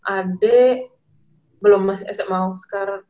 adek belum sma sekarang